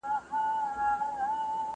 که په ذهن کي نه کښېني شعار اغېز نلري.